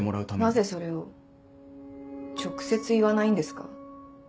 なぜそれを直接言わないんですか？